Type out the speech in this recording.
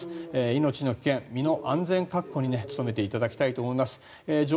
命の危険、身の安全確保に努めていただきたいと思います。